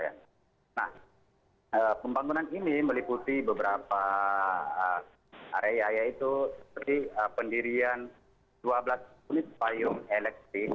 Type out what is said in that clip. nah pembangunan ini meliputi beberapa area yaitu seperti pendirian dua belas unit payung elektrik